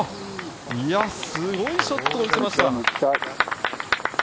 すごいショットを打ちました。